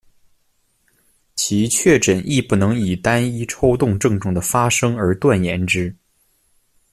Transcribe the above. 其确诊亦不能以单一抽动症状的发生而断言之。